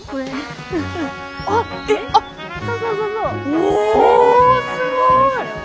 おすごい！